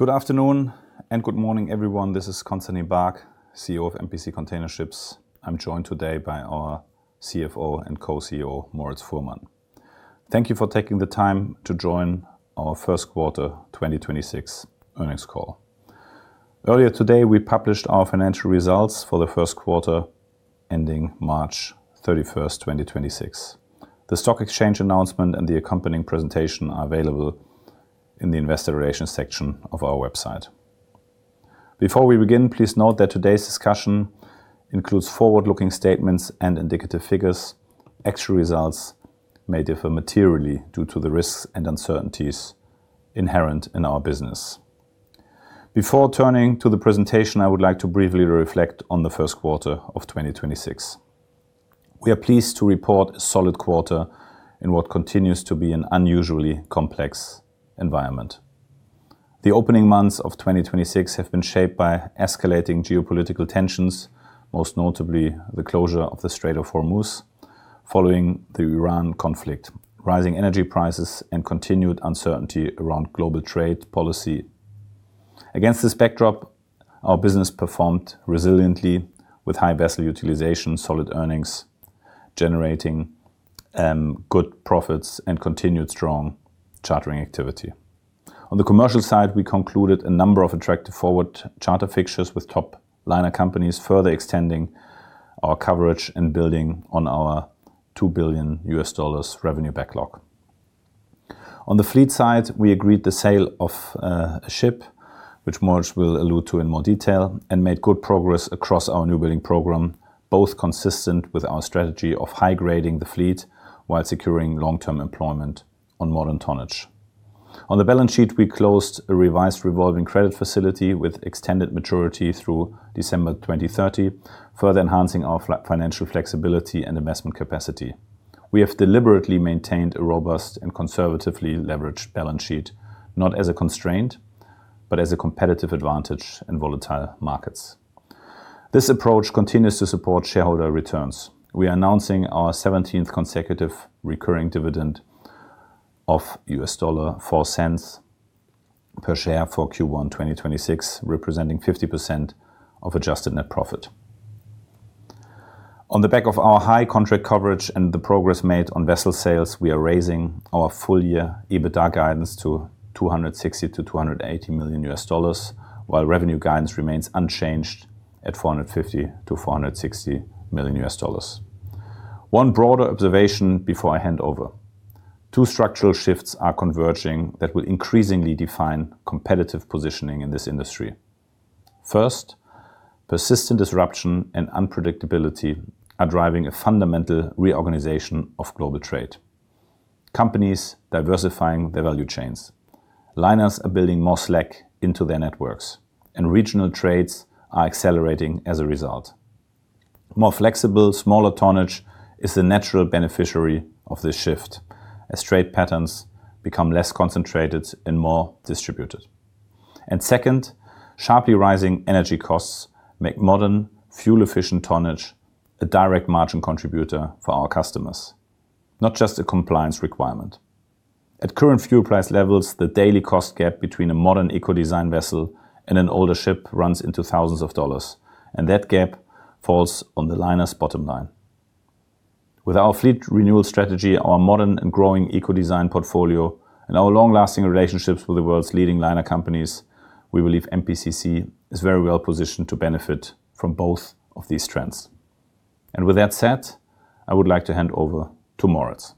Good afternoon and good morning, everyone. This is Constantin Baack, CEO of MPC Container Ships. I'm joined today by our CFO and Co-CEO, Moritz Fuhrmann. Thank you for taking the time to join our First Quarter 2026 Earnings Call. Earlier today, we published our financial results for the first quarter ending March 31st, 2026. The stock exchange announcement and the accompanying presentation are available in the Investor Relations section of our website. Before we begin, please note that today's discussion includes forward-looking statements and indicative figures. Actual results may differ materially due to the risks and uncertainties inherent in our business. Before turning to the presentation, I would like to briefly reflect on the first quarter of 2026. We are pleased to report a solid quarter in what continues to be an unusually complex environment. The opening months of 2026 have been shaped by escalating geopolitical tensions, most notably the closure of the Strait of Hormuz following the Iran conflict, rising energy prices, and continued uncertainty around global trade policy. Against this backdrop, our business performed resiliently with high vessel utilization, solid earnings, generating good profits, and continued strong chartering activity. On the commercial side, we concluded a number of attractive forward charter fixtures with top liner companies, further extending our coverage and building on our $2 billion revenue backlog. On the fleet side, we agreed the sale of a ship, which Moritz will allude to in more detail, and made good progress across our new building program, both consistent with our strategy of high-grading the fleet while securing long-term employment on modern tonnage. On the balance sheet, we closed a revised revolving credit facility with extended maturity through December 2030, further enhancing our financial flexibility and investment capacity. We have deliberately maintained a robust and conservatively leveraged balance sheet, not as a constraint, but as a competitive advantage in volatile markets. This approach continues to support shareholder returns. We are announcing our 17th consecutive recurring dividend of $0.04 per share for Q1 2026, representing 50% of adjusted net profit. On the back of our high contract coverage and the progress made on vessel sales, we are raising our full year EBITDA guidance to $260 million-$280 million, while revenue guidance remains unchanged at $450 million-$460 million. One broader observation before I hand over. Two structural shifts are converging that will increasingly define competitive positioning in this industry. First, persistent disruption and unpredictability are driving a fundamental reorganization of global trade. Companies diversifying their value chains. Liners are building more slack into their networks, and regional trades are accelerating as a result. More flexible, smaller tonnage is the natural beneficiary of this shift as trade patterns become less concentrated and more distributed. Second, sharply rising energy costs make modern fuel-efficient tonnage a direct margin contributor for our customers, not just a compliance requirement. At current fuel price levels, the daily cost gap between a modern eco-design vessel and an older ship runs into thousands of dollars, and that gap falls on the liner's bottom line. With our fleet renewal strategy, our modern and growing eco-design portfolio, and our long-lasting relationships with the world's leading liner companies, we believe MPCC is very well positioned to benefit from both of these trends. With that said, I would like to hand over to Moritz.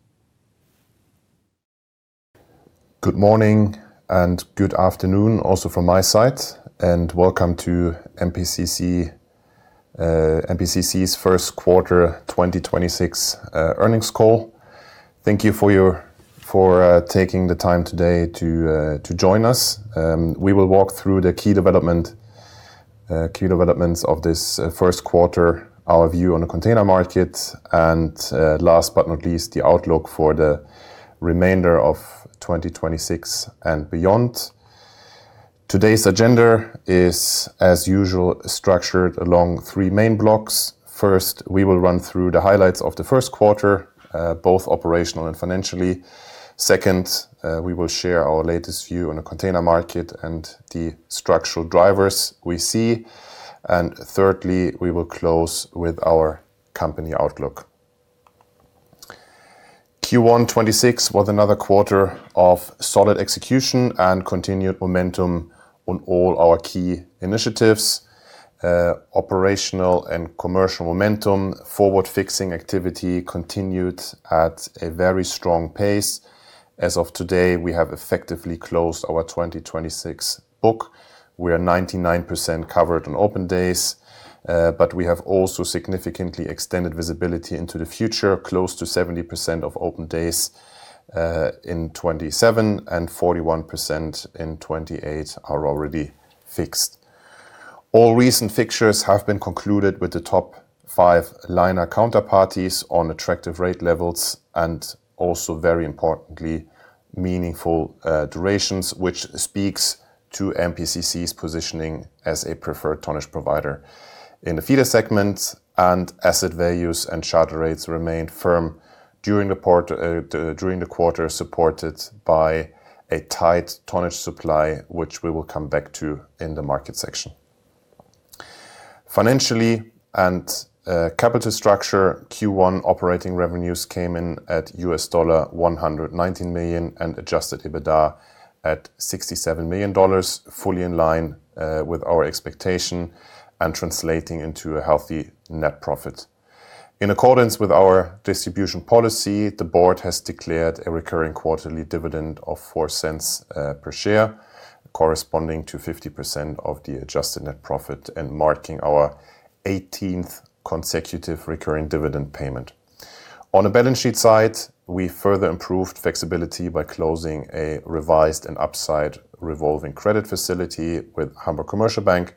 Good morning and good afternoon also from my side. Welcome to MPCC's first quarter 2026 earnings call. Thank you for taking the time today to join us. We will walk through the key developments of this first quarter, our view on the container market. Last but not least, the outlook for the remainder of 2026 and beyond. Today's agenda is, as usual, structured along three main blocks. First, we will run through the highlights of the first quarter, both operational and financially. Second, we will share our latest view on the container market and the structural drivers we see. Thirdly, we will close with our company outlook. Q1 2026 was another quarter of solid execution and continued momentum on all our key initiatives. Operational and commercial momentum. Forward fixing activity continued at a very strong pace. As of today, we have effectively closed our 2026 book. We are 99% covered on open days. We have also significantly extended visibility into the future. Close to 70% of open days in 2027 and 41% in 2028 are already fixed. All recent fixtures have been concluded with the top five liner counterparties on attractive rate levels and also, very importantly, meaningful durations, which speaks to MPCC's positioning as a preferred tonnage provider. In the feeder segments and asset values and charter rates remained firm during the quarter, supported by a tight tonnage supply, which we will come back to in the market section. Financially and capital structure Q1 operating revenues came in at $119 million and adjusted EBITDA at $67 million, fully in line with our expectation and translating into a healthy net profit. In accordance with our distribution policy, the board has declared a recurring quarterly dividend of $0.04 per share, corresponding to 50% of the adjusted net profit and marking our 18th consecutive recurring dividend payment. On a balance sheet side, we further improved flexibility by closing a revised and upside revolving credit facility with Hamburg Commercial Bank.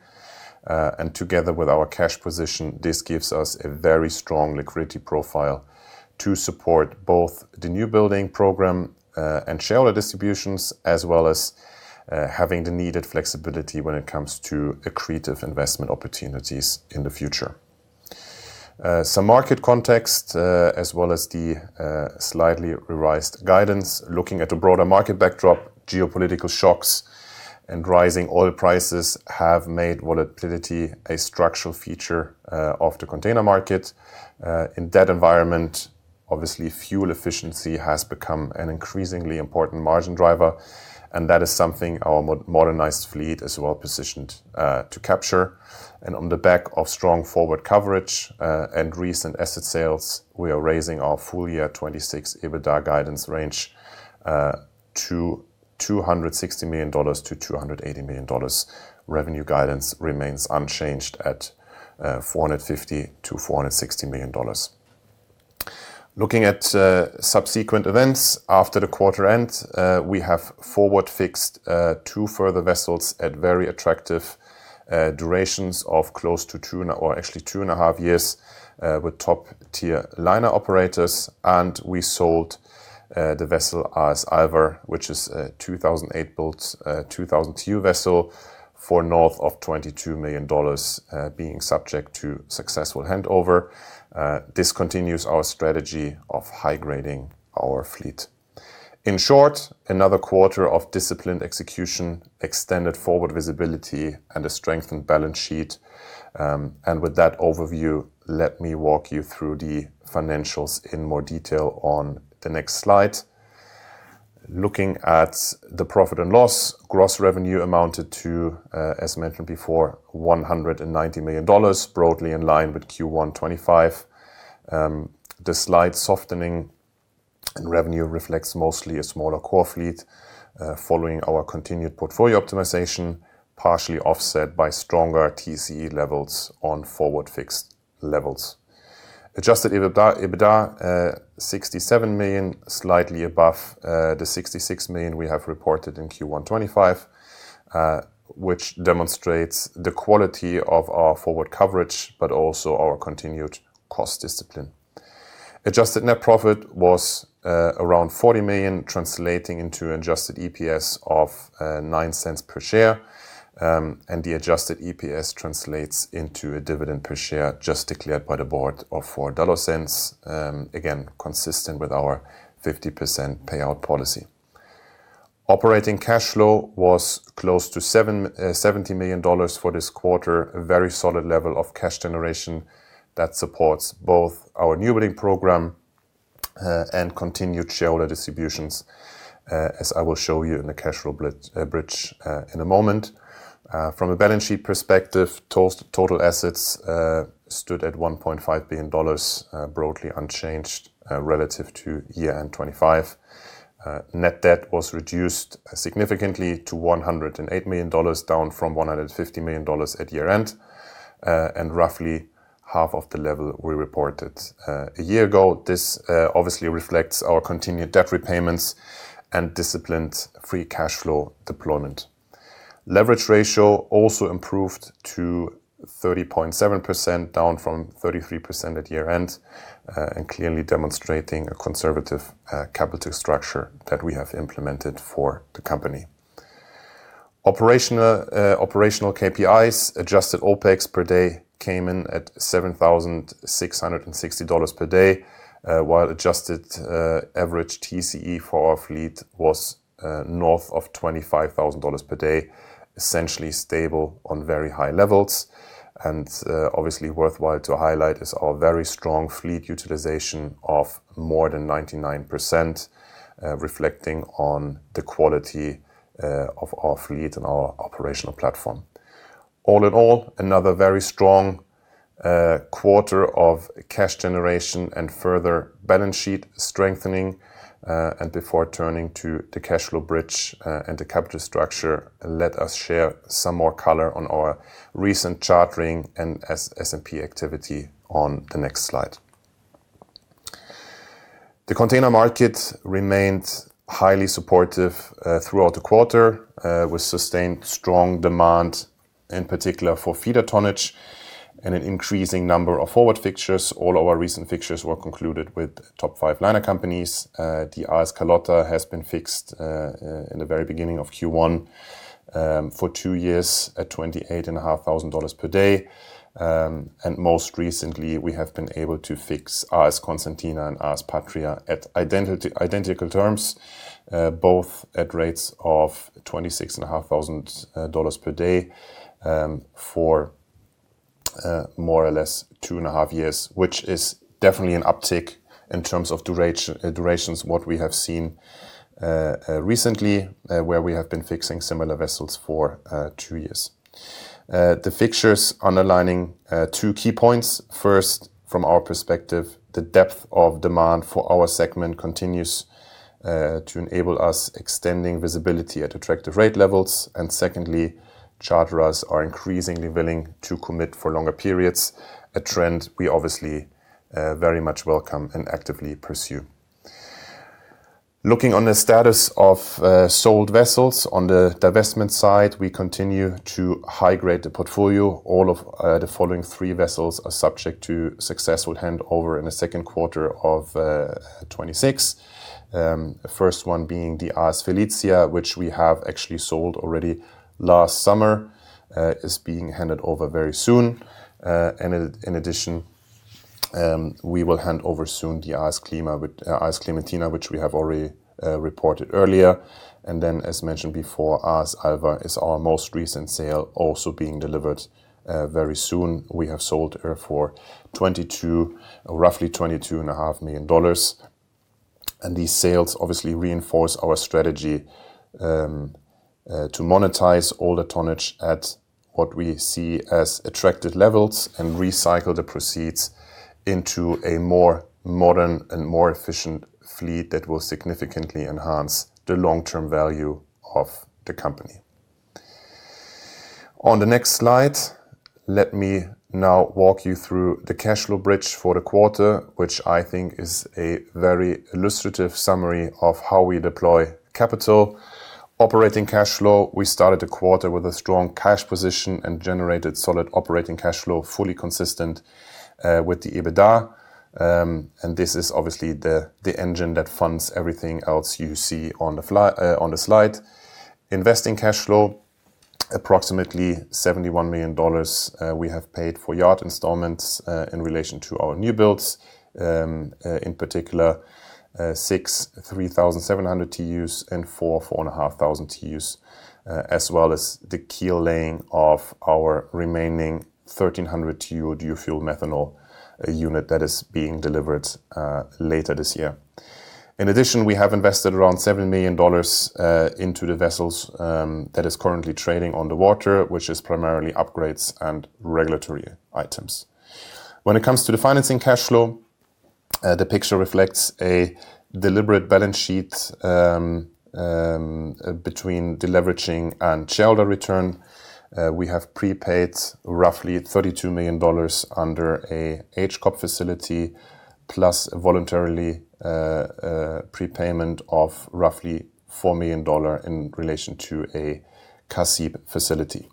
Together with our cash position, this gives us a very strong liquidity profile to support both the new building program and shareholder distributions as well as having the needed flexibility when it comes to accretive investment opportunities in the future. Some market context, as well as the slightly revised guidance. Looking at a broader market backdrop, geopolitical shocks and rising oil prices have made volatility a structural feature of the container market. In that environment, obviously, fuel efficiency has become an increasingly important margin driver. That is something our modernized fleet is well positioned to capture. On the back of strong forward coverage and recent asset sales, we are raising our full year 2026 EBITDA guidance range to $260 million-$280 million. Revenue guidance remains unchanged at $450 million-$460 million. Looking at subsequent events after the quarter end, we have forward fixed two further vessels at very attractive durations of close to 2.5 years with top-tier liner operators. We sold the vessel AS Alva, which is a 2008-built 2,000 TEU vessel for north of $22 million, being subject to successful handover. This continues our strategy of high-grading our fleet. In short, another quarter of disciplined execution, extended forward visibility, and a strengthened balance sheet. With that overview, let me walk you through the financials in more detail on the next slide. Looking at the profit and loss, gross revenue amounted to, as mentioned before, $190 million, broadly in line with Q1 2025. The slight softening in revenue reflects mostly a smaller core fleet following our continued portfolio optimization, partially offset by stronger TCE levels on forward fixed levels. Adjusted EBITDA, $67 million, slightly above the $66 million we have reported in Q1 2025, which demonstrates the quality of our forward coverage, but also our continued cost discipline. Adjusted net profit was around $40 million, translating into adjusted EPS of $0.09 per share. The adjusted EPS translates into a dividend per share just declared by the board of $0.04. Again, consistent with our 50% payout policy. Operating cash flow was close to $70 million for this quarter. A very solid level of cash generation that supports both our new building program and continued shareholder distributions, as I will show you in the cash flow bridge in a moment. From a balance sheet perspective, total assets stood at $1.5 billion, broadly unchanged relative to year-end 2025. Net debt was reduced significantly to $108 million, down from $150 million at year-end. Roughly half of the level we reported a year ago. This obviously reflects our continued debt repayments and disciplined free cash flow deployment. Leverage ratio also improved to 30.7%, down from 33% at year-end, and clearly demonstrating a conservative capital structure that we have implemented for the company. Operational KPIs adjusted OpEx per day came in at $7,660 per day, while adjusted average TCE for our fleet was north of $25,000 per day, essentially stable on very high levels. Obviously worthwhile to highlight is our very strong fleet utilization of more than 99%, reflecting on the quality of our fleet and our operational platform. All in all, another very strong quarter of cash generation and further balance sheet strengthening. Before turning to the cash flow bridge and the capital structure, let us share some more color on our recent chartering and S&P activity on the next slide. The container market remained highly supportive throughout the quarter with sustained strong demand, in particular for feeder tonnage and an increasing number of forward fixtures. All our recent fixtures were concluded with top five liner companies. The AS Carlotta has been fixed in the very beginning of Q1 for two years at $28,500 per day. Most recently, we have been able to fix AS Constantina and AS Patria at identical terms, both at rates of $26,500 per day for more or less two and a half years, which is definitely an uptick in terms of durations, what we have seen recently, where we have been fixing similar vessels for two years. The fixtures underlining two key points. First, from our perspective, the depth of demand for our segment continues to enable us extending visibility at attractive rate levels. Secondly, charterers are increasingly willing to commit for longer periods, a trend we obviously very much welcome and actively pursue. Looking on the status of sold vessels on the divestment side, we continue to high-grade the portfolio. All of the following three vessels are subject to successful handover in the second quarter of 2026. First one being the AS Felicia, which we have actually sold already last summer, is being handed over very soon. In addition, we will hand over soon the AS Clementina, which we have already reported earlier. As mentioned before, AS Alva is our most recent sale, also being delivered very soon. We have sold her for roughly $22.5 million. These sales obviously reinforce our strategy to monetize all the tonnage at what we see as attractive levels and recycle the proceeds into a more modern and more efficient fleet that will significantly enhance the long-term value of the company. On the next slide, let me now walk you through the cash flow bridge for the quarter, which I think is a very illustrative summary of how we deploy capital. Operating cash flow, we started the quarter with a strong cash position and generated solid operating cash flow, fully consistent with the EBITDA. This is obviously the engine that funds everything else you see on the slide. Investing cash flow, approximately $71 million we have paid for yard installments in relation to our new builds. In particular, six 3,700 TEUs and four 4,500 TEUs, as well as the keel laying of our remaining 1,300 TEU dual-fuel methanol unit that is being delivered later this year. In addition, we have invested around $7 million into the vessels that is currently trading on the water, which is primarily upgrades and regulatory items. When it comes to the financing cash flow, the picture reflects a deliberate balance sheet between deleveraging and shareholder return. We have prepaid roughly $32 million under a HCOB facility, plus voluntarily prepayment of roughly $4 million in relation to a CACIB facility.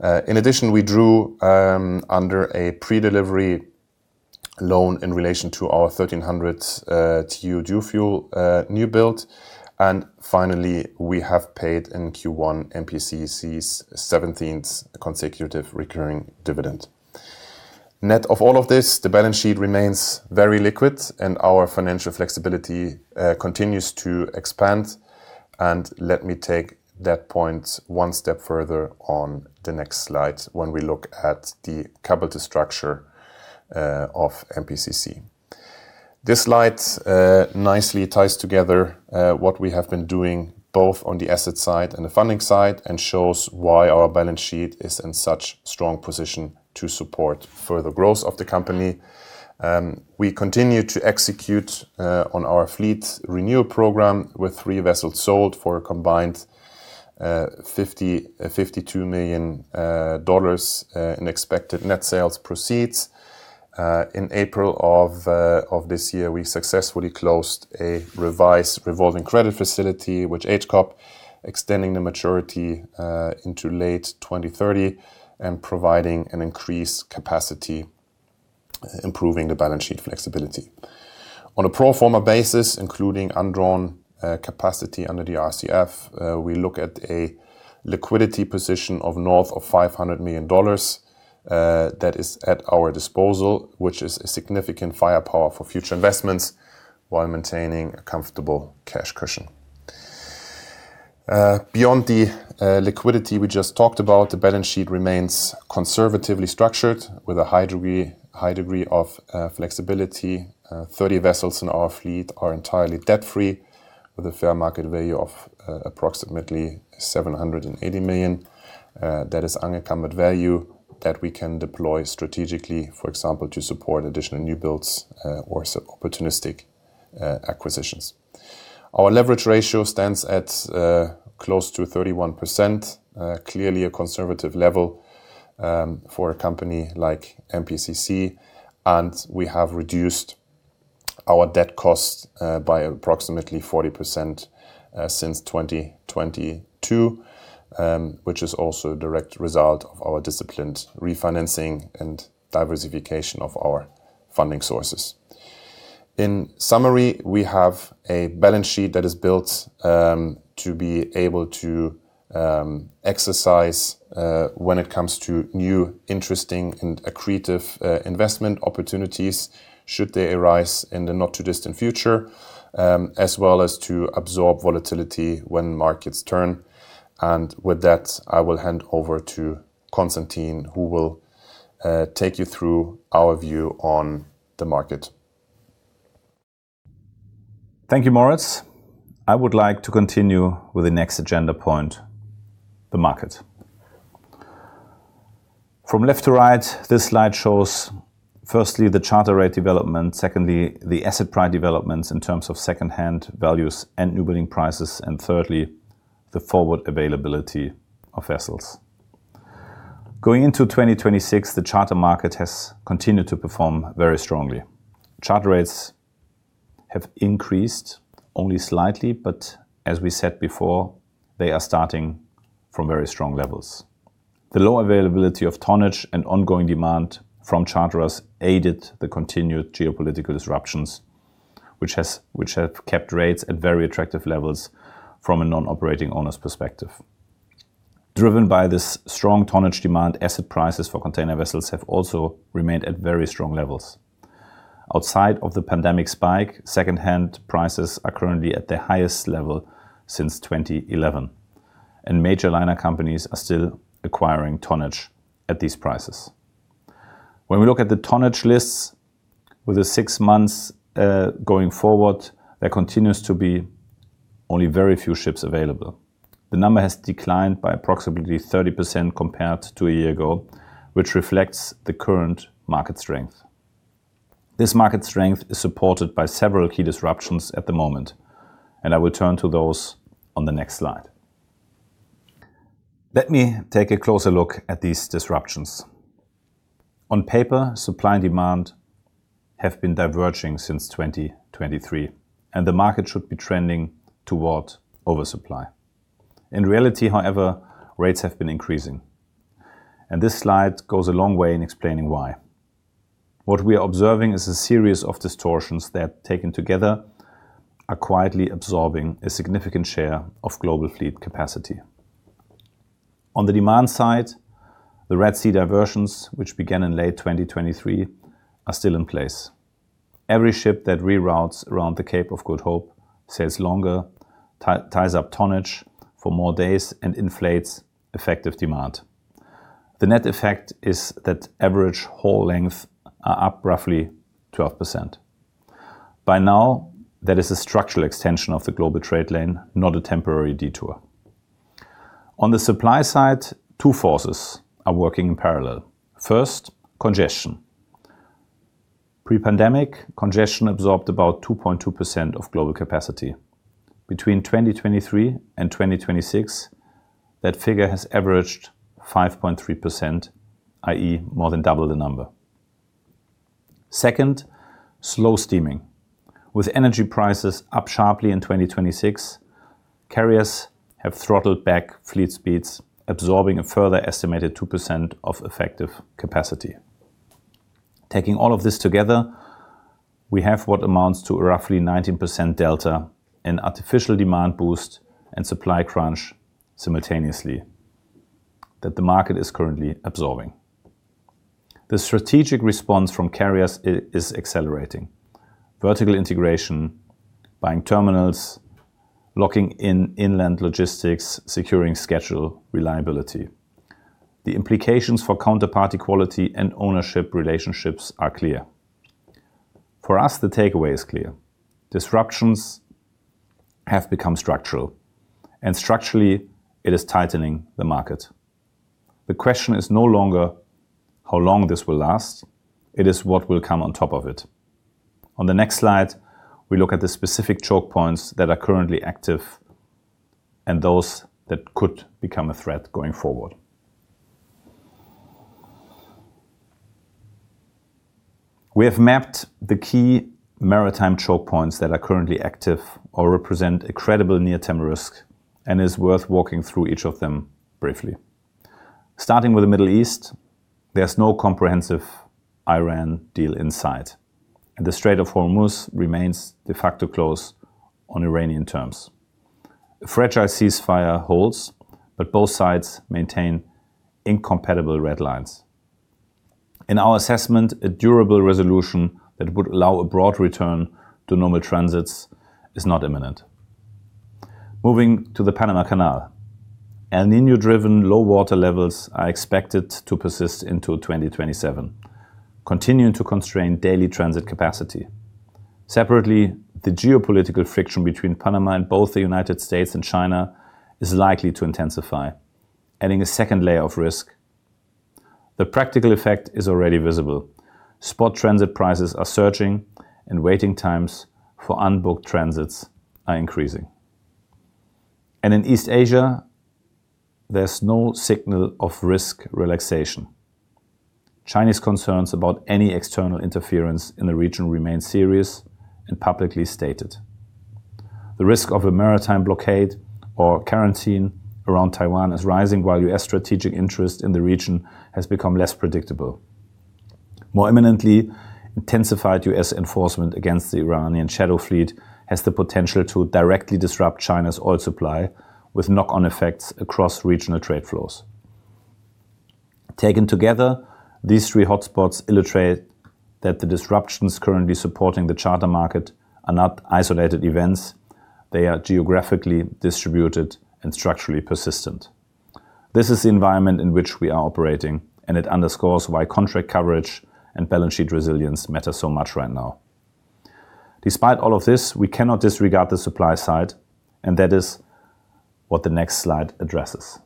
We drew under a predelivery loan in relation to our 1,300 TEU dual-fuel new build. Finally, we have paid in Q1 MPCC's 17th consecutive recurring dividend. Net of all of this, the balance sheet remains very liquid and our financial flexibility continues to expand. Let me take that point one step further on the next slide when we look at the capital structure of MPCC. This slide nicely ties together what we have been doing both on the asset side and the funding side and shows why our balance sheet is in such strong position to support further growth of the company. We continue to execute on our fleet renewal program with three vessels sold for a combined $52 million in expected net sales proceeds. In April of this year, we successfully closed a revised revolving credit facility with HCOB, extending the maturity into late 2030 and providing an increased capacity, improving the balance sheet flexibility. On a pro forma basis, including undrawn capacity under the RCF, we look at a liquidity position of north of $500 million that is at our disposal, which is a significant firepower for future investments while maintaining a comfortable cash cushion. Beyond the liquidity we just talked about, the balance sheet remains conservatively structured with a high degree of flexibility. 30 vessels in our fleet are entirely debt-free with a fair market value of approximately $780 million. That is unencumbered value that we can deploy strategically, for example, to support additional new builds or opportunistic acquisitions. Our leverage ratio stands at close to 31%, clearly a conservative level for a company like MPCC, and we have reduced our debt cost by approximately 40% since 2022, which is also a direct result of our disciplined refinancing and diversification of our funding sources. In summary, we have a balance sheet that is built to be able to exercise when it comes to new, interesting, and accretive investment opportunities should they arise in the not-too-distant future, as well as to absorb volatility when markets turn. With that, I will hand over to Constantin, who will take you through our view on the market. Thank you, Moritz. I would like to continue with the next agenda point, the market. From left to right, this slide shows firstly, the charter rate development, secondly, the asset price developments in terms of secondhand values and new building prices, and thirdly, the forward availability of vessels. Going into 2026, the charter market has continued to perform very strongly. Charter rates have increased only slightly, but as we said before, they are starting from very strong levels. The low availability of tonnage and ongoing demand from charterers aided the continued geopolitical disruptions, which have kept rates at very attractive levels from a non-operating owner's perspective. Driven by this strong tonnage demand, asset prices for container vessels have also remained at very strong levels. Outside of the pandemic spike, secondhand prices are currently at their highest level since 2011, and major liner companies are still acquiring tonnage at these prices. When we look at the tonnage lists with the six months going forward, there continues to be only very few ships available. The number has declined by approximately 30% compared to a year ago, which reflects the current market strength. This market strength is supported by several key disruptions at the moment. I will turn to those on the next slide. Let me take a closer look at these disruptions. On paper, supply and demand have been diverging since 2023. The market should be trending toward oversupply. In reality, however, rates have been increasing. This slide goes a long way in explaining why. What we are observing is a series of distortions that, taken together, are quietly absorbing a significant share of global fleet capacity. On the demand side, the Red Sea diversions, which began in late 2023, are still in place. Every ship that reroutes around the Cape of Good Hope sails longer, ties up tonnage for more days, and inflates effective demand. The net effect is that average haul lengths are up roughly 12%. By now, that is a structural extension of the global trade lane, not a temporary detour. On the supply side, two forces are working in parallel. First, congestion. Pre-pandemic, congestion absorbed about 2.2% of global capacity. Between 2023 and 2026, that figure has averaged 5.3%, i.e., more than double the number. Second, slow steaming. With energy prices up sharply in 2026, carriers have throttled back fleet speeds, absorbing a further estimated 2% of effective capacity. Taking all of this together, we have what amounts to a roughly 19% delta in artificial demand boost and supply crunch simultaneously that the market is currently absorbing. The strategic response from carriers is accelerating. Vertical integration, buying terminals, locking in inland logistics, securing schedule reliability. The implications for counterparty quality and ownership relationships are clear. For us, the takeaway is clear. Disruptions have become structural, and structurally, it is tightening the market. The question is no longer how long this will last. It is what will come on top of it. On the next slide, we look at the specific choke points that are currently active and those that could become a threat going forward. We have mapped the key maritime choke points that are currently active or represent a credible near-term risk, and it's worth walking through each of them briefly. Starting with the Middle East, there's no comprehensive Iran deal in sight, and the Strait of Hormuz remains de facto closed on Iranian terms. A fragile ceasefire holds, but both sides maintain incompatible red lines. In our assessment, a durable resolution that would allow a broad return to normal transits is not imminent. Moving to the Panama Canal. El Niño-driven low water levels are expected to persist into 2027, continuing to constrain daily transit capacity. Separately, the geopolitical friction between Panama and both the U.S. and China is likely to intensify, adding a second layer of risk. The practical effect is already visible. Spot transit prices are surging, and waiting times for unbooked transits are increasing. In East Asia, there's no signal of risk relaxation. Chinese concerns about any external interference in the region remain serious and publicly stated. The risk of a maritime blockade or quarantine around Taiwan is rising while U.S. strategic interest in the region has become less predictable. More imminently, intensified U.S. enforcement against the Iranian shadow fleet has the potential to directly disrupt China's oil supply, with knock-on effects across regional trade flows. Taken together, these three hotspots illustrate that the disruptions currently supporting the charter market are not isolated events. They are geographically distributed and structurally persistent. This is the environment in which we are operating, and it underscores why contract coverage and balance sheet resilience matter so much right now. Despite all of this, we cannot disregard the supply side, and that is what the next slide addresses.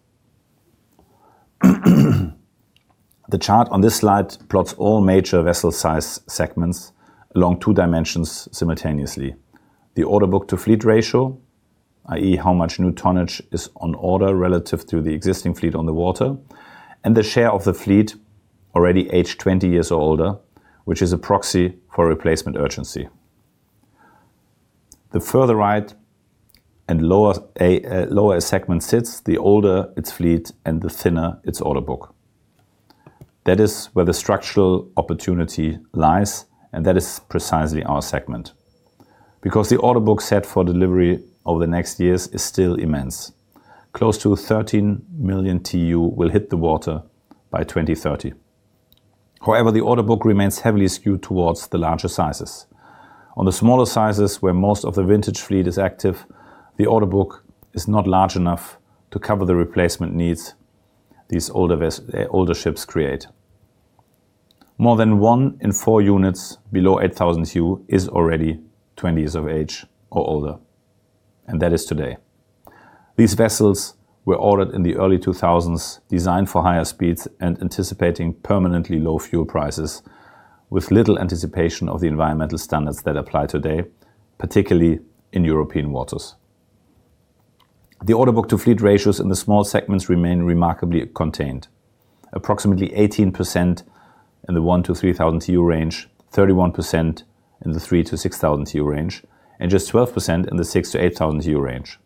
The chart on this slide plots all major vessel size segments along two dimensions simultaneously. The order book to fleet ratio, i.e., how much new tonnage is on order relative to the existing fleet on the water, and the share of the fleet already aged 20 years or older, which is a proxy for replacement urgency. The further right and lower a segment sits, the older its fleet and the thinner its order book. That is where the structural opportunity lies, and that is precisely our segment. The order book set for delivery over the next years is still immense. Close to 13 million TEU will hit the water by 2030. The order book remains heavily skewed towards the larger sizes. On the smaller sizes, where most of the vintage fleet is active, the order book is not large enough to cover the replacement needs these older ships create. More than one in four units below 8,000 TEU is already 20 years of age or older, and that is today. These vessels were ordered in the early 2000s, designed for higher speeds and anticipating permanently low fuel prices, with little anticipation of the environmental standards that apply today, particularly in European waters. The order book to fleet ratios in the small segments remain remarkably contained. Approximately 18% in the 1,000-3,000 TEU range, 31% in the 3,000-6,000 TEU range, and just 12% in the 6,000-8,000 TEU range.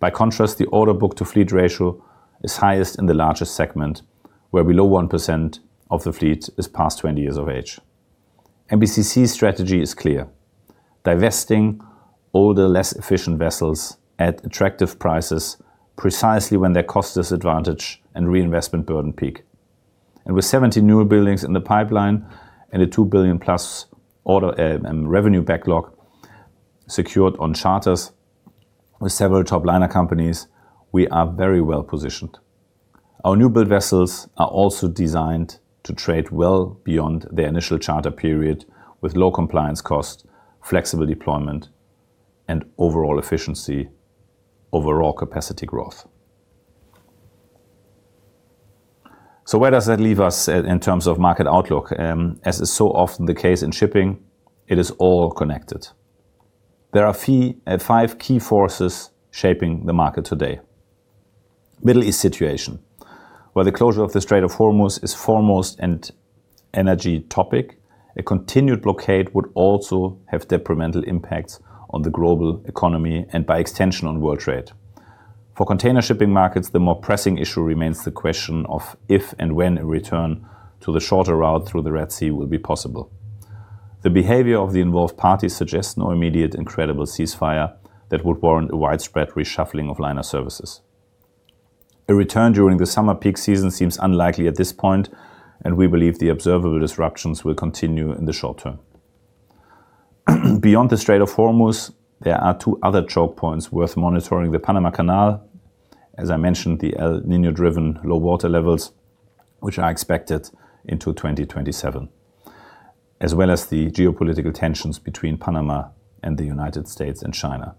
By contrast, the order book to fleet ratio is highest in the largest segment, where below 1% of the fleet is past 20 years of age. MPCC's strategy is clear. Divesting older, less efficient vessels at attractive prices precisely when their cost disadvantage and reinvestment burden peak. With 17 newer buildings in the pipeline and a $2 billion-plus revenue backlog secured on charters with several top liner companies, we are very well-positioned. Our new build vessels are also designed to trade well beyond their initial charter period with low compliance cost, flexible deployment, and overall efficiency, overall capacity growth. Where does that leave us in terms of market outlook? As is so often the case in shipping, it is all connected. There are five key forces shaping the market today. Middle East situation, where the closure of the Strait of Hormuz is foremost an energy topic. A continued blockade would also have detrimental impacts on the global economy and by extension, on world trade. For container shipping markets, the more pressing issue remains the question of if and when a return to the shorter route through the Red Sea will be possible. The behavior of the involved parties suggests no immediate and credible ceasefire that would warrant a widespread reshuffling of liner services. A return during the summer peak season seems unlikely at this point, and we believe the observable disruptions will continue in the short term. Beyond the Strait of Hormuz, there are two other choke points worth monitoring. The Panama Canal, as I mentioned, the El Niño-driven low water levels, which are expected into 2027, as well as the geopolitical tensions between Panama and the United States and China.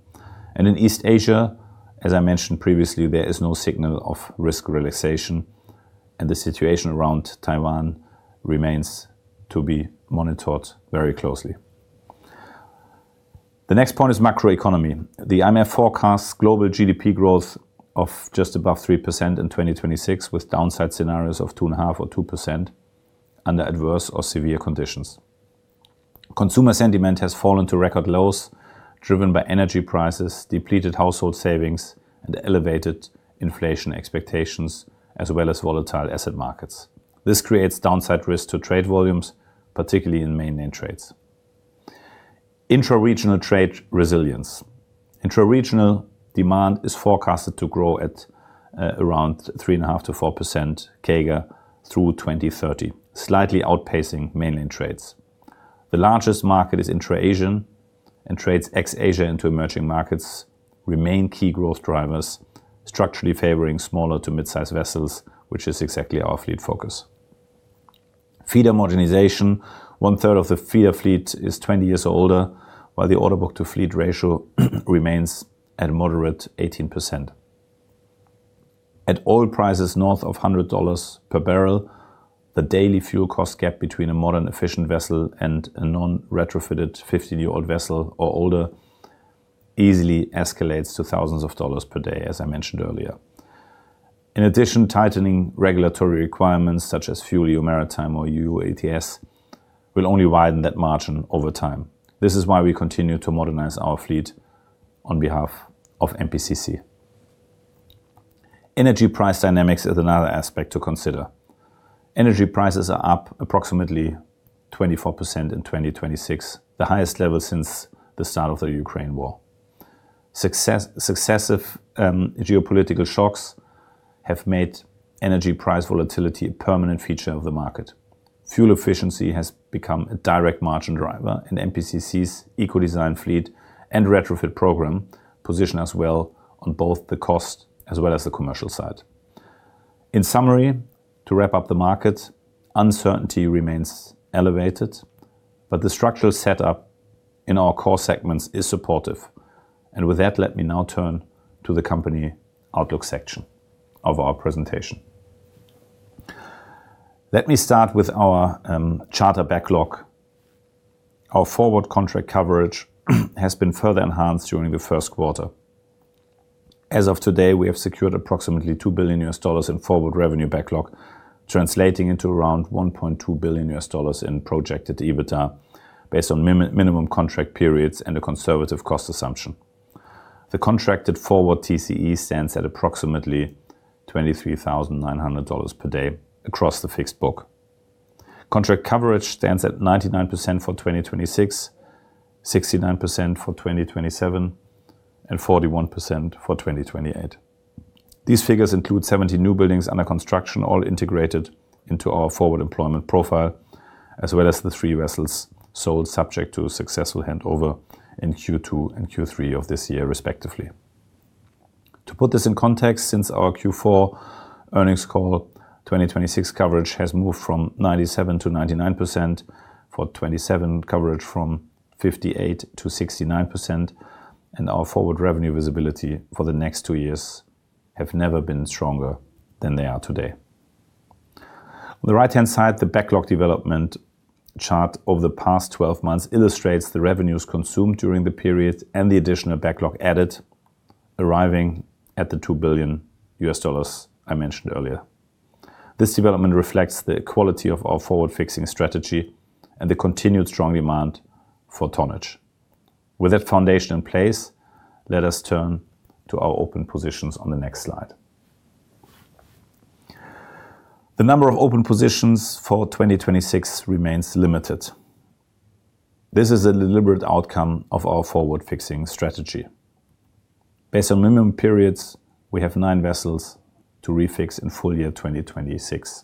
In East Asia, as I mentioned previously, there is no signal of risk relaxation, and the situation around Taiwan remains to be monitored very closely. The next point is macroeconomy. The IMF forecasts global GDP growth of just above 3% in 2026, with downside scenarios of 2.5% or 2% under adverse or severe conditions. Consumer sentiment has fallen to record lows driven by energy prices, depleted household savings, and elevated inflation expectations, as well as volatile asset markets. This creates downside risk to trade volumes, particularly in mainland trades. Intra-regional trade resilience. Intra-regional demand is forecasted to grow at around 3.5%-4% CAGR through 2030, slightly outpacing mainland trades. The largest market is intra-Asian, trades ex-Asia into emerging markets remain key growth drivers, structurally favoring smaller to mid-size vessels, which is exactly our fleet focus. Feeder modernization. One-third of the feeder fleet is 20 years or older, while the order book to fleet ratio remains at a moderate 18%. At oil prices north of $100 per barrel, the daily fuel cost gap between a modern efficient vessel and a non-retrofitted 50-year-old vessel or older easily escalates to thousands of dollars per day, as I mentioned earlier. In addition, tightening regulatory requirements such as FuelEU Maritime or EU ETS will only widen that margin over time. This is why we continue to modernize our fleet on behalf of MPCC. Energy price dynamics is another aspect to consider. Energy prices are up approximately 24% in 2026, the highest level since the start of the Ukraine war. Successive geopolitical shocks have made energy price volatility a permanent feature of the market. Fuel efficiency has become a direct margin driver, and MPCC's eco-design fleet and retrofit program position us well on both the cost as well as the commercial side. In summary, to wrap up the market, uncertainty remains elevated, but the structural setup in our core segments is supportive. With that, let me now turn to the company outlook section of our presentation. Let me start with our charter backlog. Our forward contract coverage has been further enhanced during the first quarter. As of today, we have secured approximately $2 billion in forward revenue backlog, translating into around $1.2 billion in projected EBITDA based on minimum contract periods and a conservative cost assumption. The contracted forward TCE stands at approximately $23,900 per day across the fixed book. Contract coverage stands at 99% for 2026, 69% for 2027, and 41% for 2028. These figures include 17 new buildings under construction, all integrated into our forward employment profile, as well as the three vessels sold subject to a successful handover in Q2 and Q3 of this year, respectively. To put this in context, since our Q4 earnings call, 2026 coverage has moved from 97% to 99%, for 2027 coverage from 58% to 69%, and our forward revenue visibility for the next two years have never been stronger than they are today. On the right-hand side, the backlog development chart over the past 12 months illustrates the revenues consumed during the period and the additional backlog added, arriving at the $2 billion I mentioned earlier. This development reflects the quality of our forward-fixing strategy and the continued strong demand for tonnage. With that foundation in place, let us turn to our open positions on the next slide. The number of open positions for 2026 remains limited. This is a deliberate outcome of our forward-fixing strategy. Based on minimum periods, we have nine vessels to refix in full year 2026,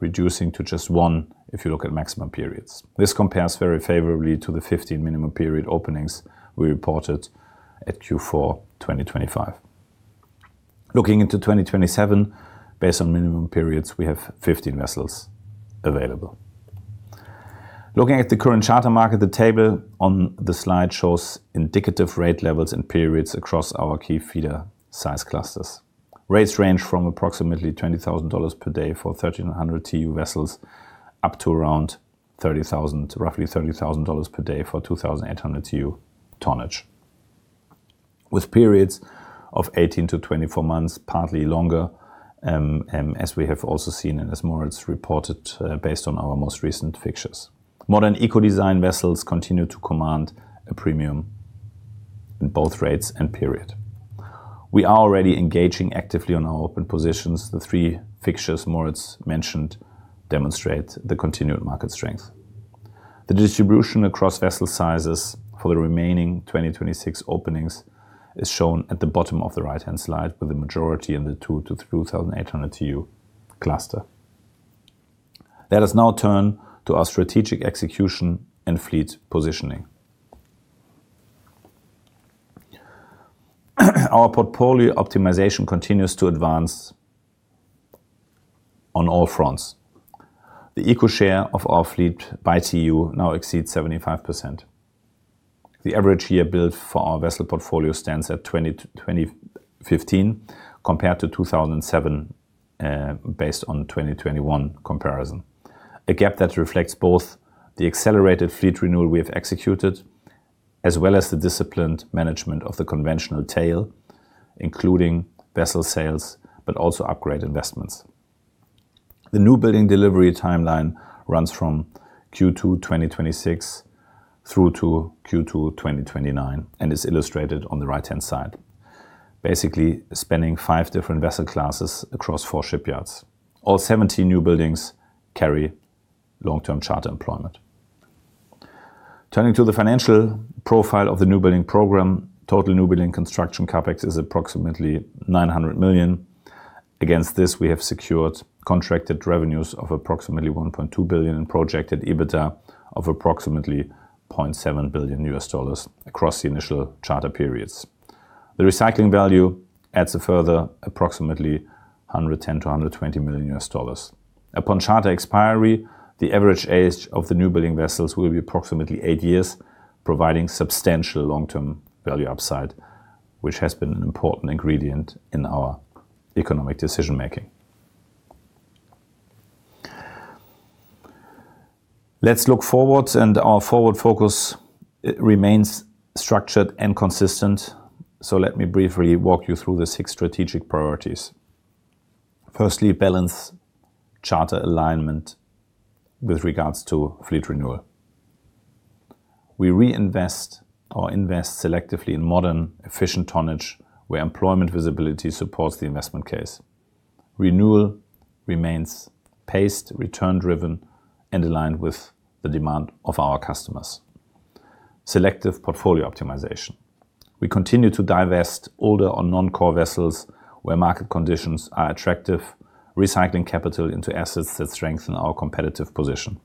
reducing to just one if you look at maximum periods. This compares very favorably to the 15 minimum period openings we reported at Q4 2025. Looking into 2027, based on minimum periods, we have 15 vessels available. Looking at the current charter market, the table on the slide shows indicative rate levels and periods across our key feeder size clusters. Rates range from approximately $20,000 per day for 1,300 TEU vessels, up to around roughly $30,000 per day for 2,800 TEU tonnage, with periods of 18-24 months, partly longer, as we have also seen and as Moritz reported based on our most recent fixtures. Modern eco-design vessels continue to command a premium in both rates and period. We are already engaging actively on our open positions. The three fixtures Moritz mentioned demonstrate the continued market strength. The distribution across vessel sizes for the remaining 2026 openings is shown at the bottom of the right-hand slide with the majority in the 2,000-2,800 TEU cluster. Let us now turn to our strategic execution and fleet positioning. Our portfolio optimization continues to advance on all fronts. The eco share of our fleet by TEU now exceeds 75%. The average year built for our vessel portfolio stands at 2015 compared to 2007, based on 2021 comparison. A gap that reflects both the accelerated fleet renewal we have executed as well as the disciplined management of the conventional tail, including vessel sales, but also upgrade investments. The new building delivery timeline runs from Q2 2026 through to Q2 2029 and is illustrated on the right-hand side, basically spanning five different vessel classes across four shipyards. All 70 new buildings carry long-term charter employment. Turning to the financial profile of the new building program, total new building construction CapEx is approximately $900 million. Against this, we have secured contracted revenues of approximately $1.2 billion and projected EBITDA of approximately $0.7 billion across the initial charter periods. The recycling value adds a further approximately $110 million-$120 million. Upon charter expiry, the average age of the new building vessels will be approximately eight years, providing substantial long-term value upside, which has been an important ingredient in our economic decision making. Let's look forwards, Our forward focus remains structured and consistent, so let me briefly walk you through the six strategic priorities. Firstly, balance charter alignment with regards to fleet renewal. We reinvest or invest selectively in modern, efficient tonnage where employment visibility supports the investment case. Renewal remains paced, return-driven, and aligned with the demand of our customers. Selective portfolio optimization. We continue to divest older or non-core vessels where market conditions are attractive, recycling capital into assets that strengthen our competitive position.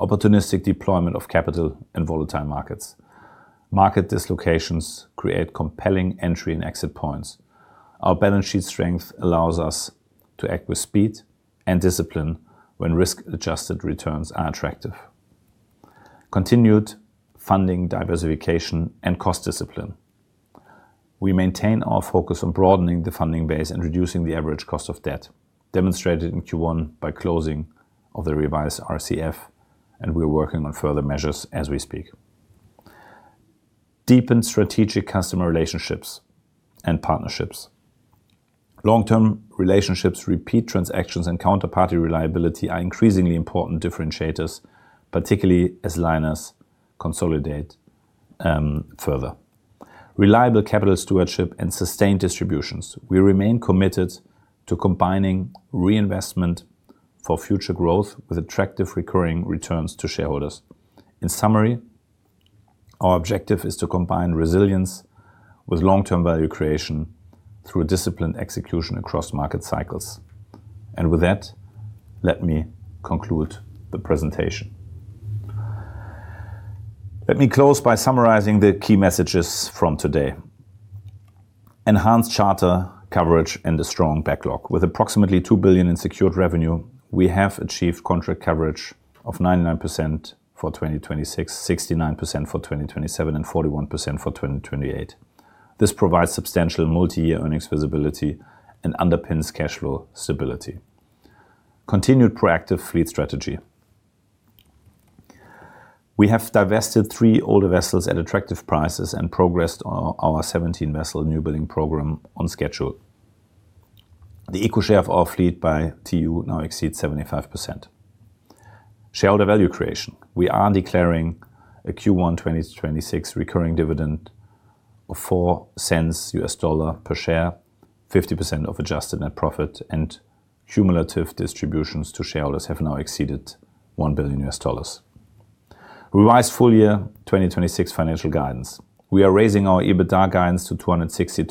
Opportunistic deployment of capital in volatile markets. Market dislocations create compelling entry and exit points. Our balance sheet strength allows us to act with speed and discipline when risk-adjusted returns are attractive. Continued funding diversification and cost discipline. We maintain our focus on broadening the funding base and reducing the average cost of debt, demonstrated in Q1 by closing of the revised RCF, and we are working on further measures as we speak. Deepened strategic customer relationships and partnerships. Long-term relationships, repeat transactions, and counterparty reliability are increasingly important differentiators, particularly as liners consolidate further. Reliable capital stewardship and sustained distributions. We remain committed to combining reinvestment for future growth with attractive recurring returns to shareholders. In summary, our objective is to combine resilience with long-term value creation through disciplined execution across market cycles. With that, let me conclude the presentation. Let me close by summarizing the key messages from today. Enhanced charter coverage and a strong backlog. With approximately $2 billion in secured revenue, we have achieved contract coverage of 99% for 2026, 69% for 2027, and 41% for 2028. This provides substantial multi-year earnings visibility and underpins cash flow stability. Continued proactive fleet strategy. We have divested three older vessels at attractive prices and progressed our 17-vessel new building program on schedule. The eco share of our fleet by TEU now exceeds 75%. Shareholder value creation. We are declaring a Q1 2026 recurring dividend of $0.04 per share, 50% of adjusted net profit, and cumulative distributions to shareholders have now exceeded $1 billion. Revised full-year 2026 financial guidance. We are raising our EBITDA guidance to $260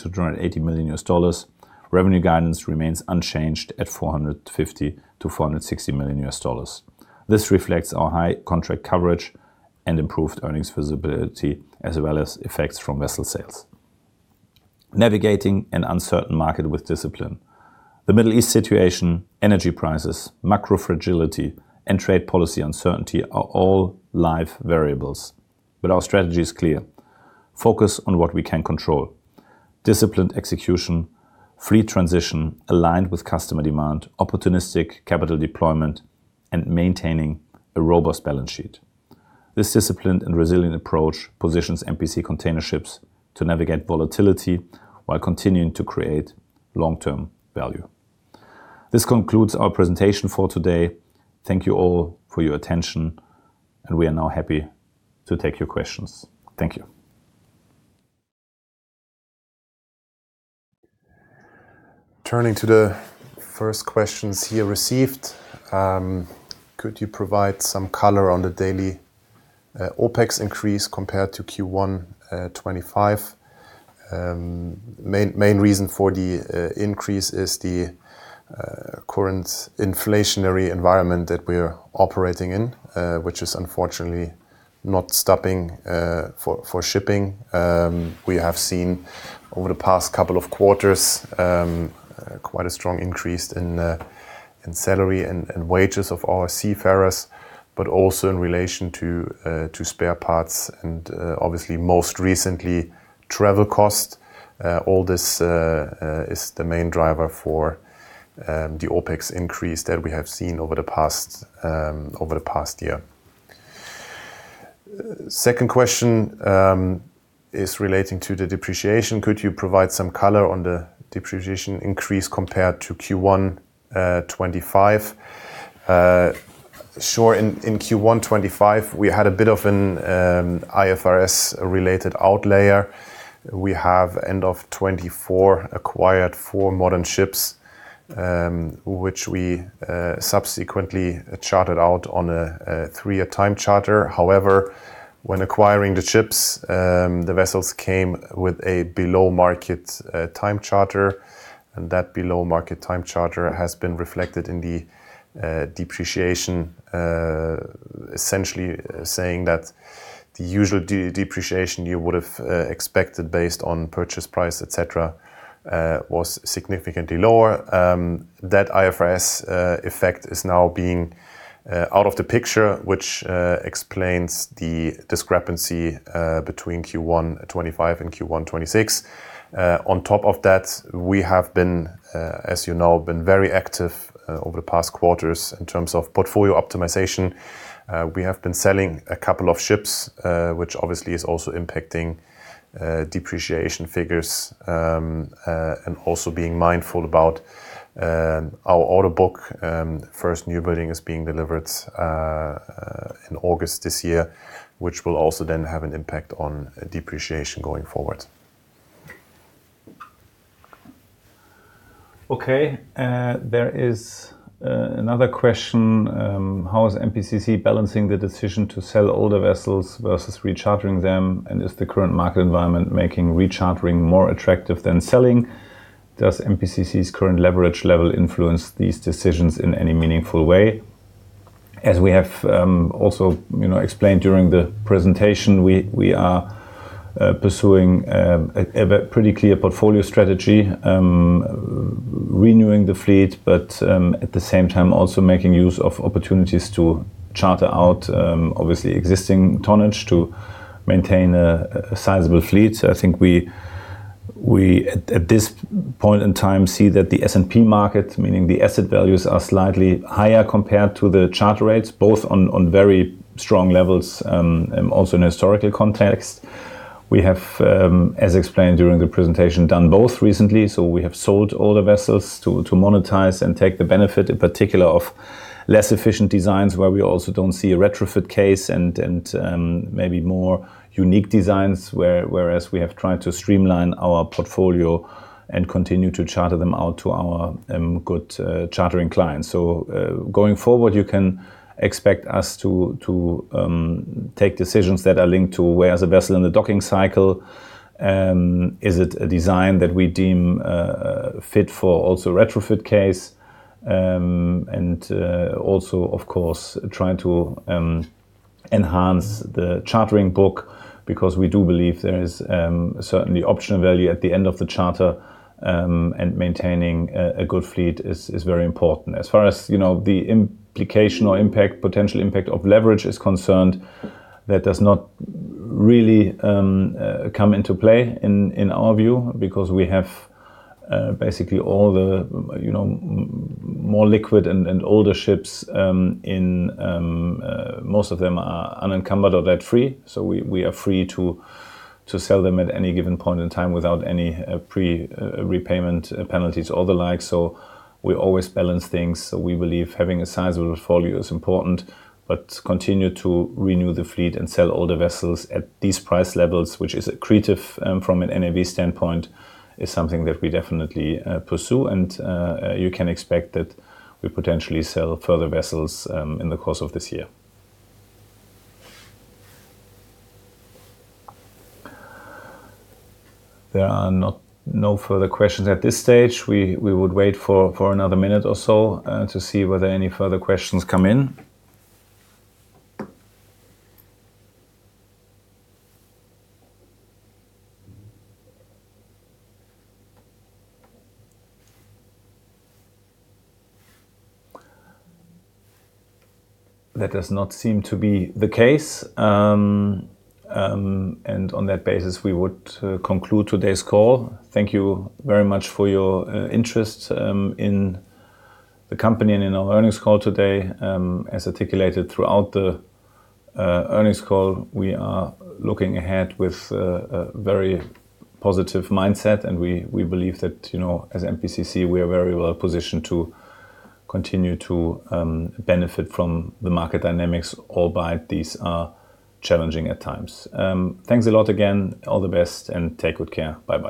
million-$280 million. Revenue guidance remains unchanged at $450 million-$460 million. This reflects our high contract coverage and improved earnings visibility, as well as effects from vessel sales. Navigating an uncertain market with discipline. The Middle East situation, energy prices, macro fragility, and trade policy uncertainty are all live variables, but our strategy is clear. Focus on what we can control, disciplined execution, fleet transition aligned with customer demand, opportunistic capital deployment, and maintaining a robust balance sheet. This disciplined and resilient approach positions MPC Container Ships to navigate volatility while continuing to create long-term value. This concludes our presentation for today. Thank you all for your attention. We are now happy to take your questions. Thank you. Turning to the first questions here received, "Could you provide some color on the daily OpEx increase compared to Q1 2025?" Main reason for the increase is the current inflationary environment that we are operating in, which is unfortunately not stopping for shipping. We have seen over the past couple of quarters, quite a strong increase in salary and wages of our seafarers, but also in relation to spare parts and obviously most recently, travel cost. All this is the main driver for the OpEx increase that we have seen over the past year. Second question is relating to the depreciation. Could you provide some color on the depreciation increase compared to Q1 2025? Sure. In Q1 2025, we had a bit of an IFRS-related outlier. We have, end of 2024, acquired four modern ships, which we subsequently chartered out on a three-year time charter. However, when acquiring the ships, the vessels came with a below-market time charter, and that below-market time charter has been reflected in the depreciation, essentially saying that the usual depreciation you would have expected based on purchase price, et cetera Was significantly lower. That IFRS effect is now being out of the picture, which explains the discrepancy between Q1 2025 and Q1 2026. On top of that, we have been, as you know, very active over the past quarters in terms of portfolio optimization. We have been selling a couple of ships, which obviously is also impacting depreciation figures, and also being mindful about our order book. First new building is being delivered in August this year, which will also then have an impact on depreciation going forward. Okay. There is another question. How is MPCC balancing the decision to sell older vessels versus rechartering them, and is the current market environment making rechartering more attractive than selling? Does MPCC's current leverage level influence these decisions in any meaningful way? As we have also explained during the presentation, we are pursuing a pretty clear portfolio strategy, renewing the fleet, but at the same time also making use of opportunities to charter out obviously existing tonnage to maintain a sizable fleet. I think we, at this point in time, see that the S&P market, meaning the asset values, are slightly higher compared to the charter rates, both on very strong levels, also in a historical context. We have, as explained during the presentation, done both recently. We have sold all the vessels to monetize and take the benefit, in particular, of less efficient designs where we also don't see a retrofit case and maybe more unique designs, whereas we have tried to streamline our portfolio and continue to charter them out to our good chartering clients. Going forward, you can expect us to take decisions that are linked to where is the vessel in the docking cycle. Is it a design that we deem fit for also retrofit case? Also, of course, trying to enhance the chartering book because we do believe there is certainly optional value at the end of the charter, and maintaining a good fleet is very important. As far as the implication or potential impact of leverage is concerned, that does not really come into play in our view, because we have basically all the more liquid and older ships, most of them are unencumbered or debt-free. We are free to sell them at any given point in time without any pre-repayment penalties or the like. We always balance things. We believe having a sizable portfolio is important, but continue to renew the fleet and sell all the vessels at these price levels, which is accretive from an NAV standpoint, is something that we definitely pursue and you can expect that we potentially sell further vessels in the course of this year. There are no further questions at this stage. We would wait for another minute or so to see whether any further questions come in. That does not seem to be the case. On that basis, we would conclude today's call. Thank you very much for your interest in the company and in our earnings call today. As articulated throughout the earnings call, we are looking ahead with a very positive mindset, and we believe that, as MPCC, we are very well positioned to continue to benefit from the market dynamics, albeit these are challenging at times. Thanks a lot again. All the best and take good care. Bye-bye.